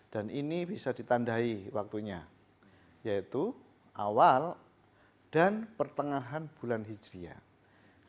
dan ini bisa ditandai waktunya yaitu awal dan pertengahan bulan hijriah